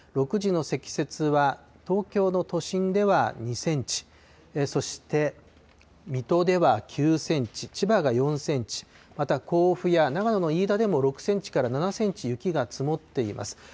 ６時の積雪は東京の都心では２センチ、そして水戸では９センチ、千葉が４センチ、また甲府や長野の飯田でも６センチから７センチ雪が積もっています。